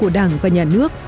đảng và nhà nước